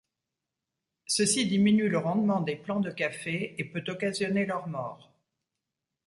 Ceci diminue le rendement des plants de café et peut occasionner leur mort.